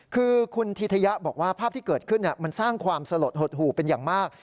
คือคุณธีทยะบอกว่าภาพที่เกิดขึ้นมันสร้างความสลดหดหู่เป็นอย่างมาก